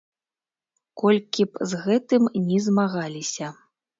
Колькі б з гэтым ні змагаліся.